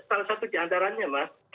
salah satu di antaranya mas